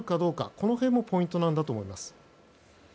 この辺もポイントだと思います。